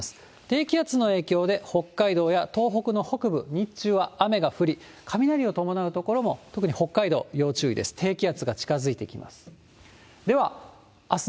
低気圧の影響で、北海道や東北の北部、日中は雨が降り、雷を伴う所も、特に北海道、要注意です。